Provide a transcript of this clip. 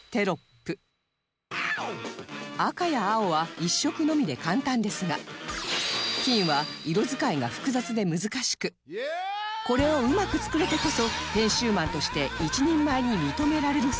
赤や青は１色のみで簡単ですが金は色使いが複雑で難しくこれをうまく作れてこそ編集マンとして一人前に認められるそうなのです